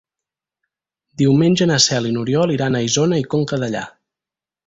Diumenge na Cel i n'Oriol iran a Isona i Conca Dellà.